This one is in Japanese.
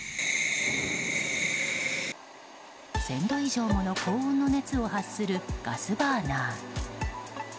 １０００度以上もの高温の熱を発するガスバーナー。